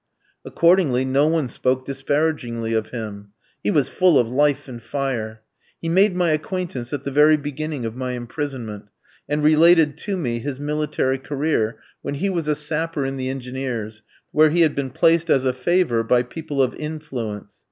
Accordingly, no one spoke disparagingly of him. He was full of life and fire. He made my acquaintance at the very beginning of my imprisonment, and related to me his military career, when he was a sapper in the Engineers, where he had been placed as a favour by people of influence.